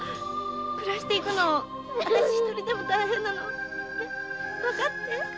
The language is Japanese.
暮らしていくのあたし一人でも大変なのわかって